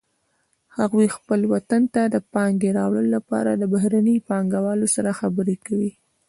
هغوی خپل وطن ته د پانګې راوړلو لپاره د بهرنیو پانګوالو سره خبرې کوي